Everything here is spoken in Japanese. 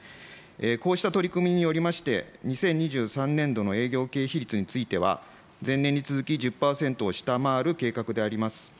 こうした取り組みによりまして、２０２３年度の営業経費率については、前年に続き１０％を下回る計画であります。